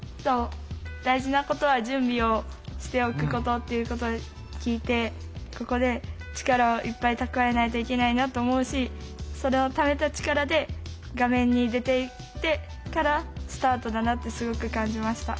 っていうことを聞いてここで力をいっぱい蓄えないといけないなと思うしそのためた力で画面に出ていってからスタートだなってすごく感じました。